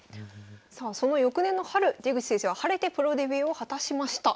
さあその翌年の春出口先生は晴れてプロデビューを果たしました。